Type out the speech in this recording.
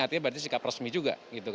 artinya berarti sikap resmi juga